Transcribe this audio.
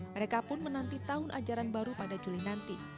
mereka pun menanti tahun ajaran baru pada juli nanti